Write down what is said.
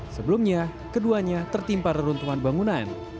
sebelumnya keduanya tertimpa reruntuhan bangunan